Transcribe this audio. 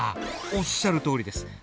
おっしゃるとおりです。